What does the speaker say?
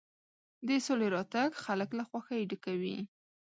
د سولې راتګ خلک له خوښۍ ډکوي.